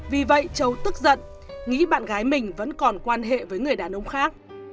vì vậy châu tức giận nghĩ bạn gái mình vẫn còn quan hệ với người đàn ông khác